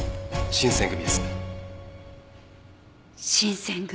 新選組。